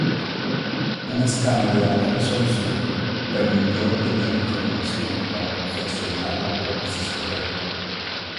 Un escáner de alta resolución permitió obtener información para confeccionar la prótesis correcta.